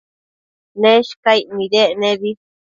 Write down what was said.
Neshcaic nidec nebi